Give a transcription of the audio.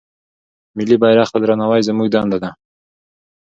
ملي بيرغ ته درناوی زموږ دنده ده.